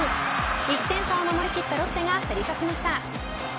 １点差を守り切ったロッテが競り勝ちました。